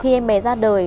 khi em bé ra đời